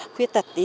khuyết tật ý